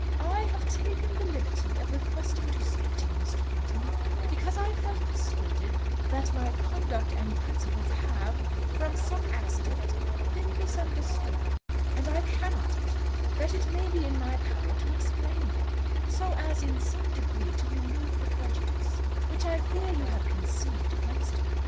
"I have taken the liberty of requesting to speak to you, Miss Torrington, because I feel persuaded that my conduct and principles have from some accident been misunderstood; and I cannot but hope that it may be in my power to explain them, so as in some degree to remove the prejudice which I fear you have conceived against me."